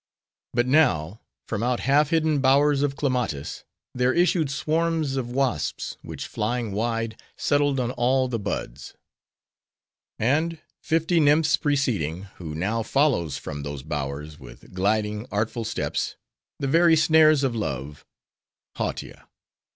But now, from out half hidden bowers of clematis, there issued swarms of wasps, which flying wide, settled on all the buds. And, fifty nymphs preceding, who now follows from those bowers, with gliding, artful steps:—the very snares of love!—Hautia.